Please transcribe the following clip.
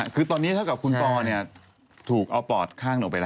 คือตอนนี้ทั้งกับคุณปอร์เนี่ยถูกเอาปอดข้างตะไหนออกไปละ